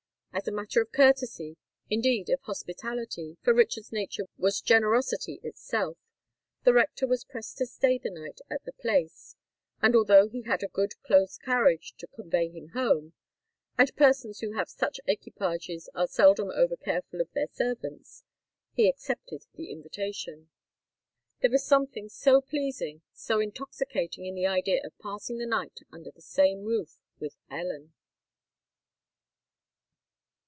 As a matter of courtesy—indeed, of hospitality, for Richard's nature was generosity itself—the rector was pressed to stay the night at the Place; and, although he had a good close carriage to convey him home (and persons who have such equipages are seldom over careful of their servants), he accepted the invitation. There was something so pleasing—so intoxicating in the idea of passing the night under the same roof with Ellen!